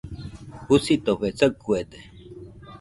Jusitofe saɨkuede.